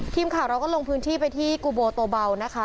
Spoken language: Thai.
ทีมข่าวเราก็ลงพื้นที่ไปที่กูโบโตเบานะคะ